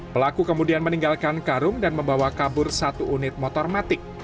pelaku kemudian meninggalkan karung dan membawa kabur satu unit motor matik